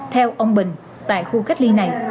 theo ông bình tại khu cách ly này